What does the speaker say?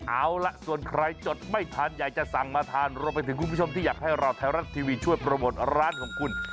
เอาล่ะส่วนใครจดไม่ทันอยากจะสั่งมาทานรวมไปถึงคุณผู้ชมที่อยากให้เราไทยรัฐทีวีช่วยโปรโมทร้านของคุณ